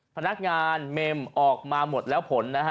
พนักงานเมมออกมาหมดแล้วผลนะฮะ